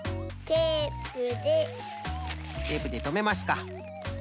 テープでとめますか！